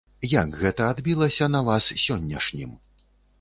Як гэта адбілася на вас сённяшнім?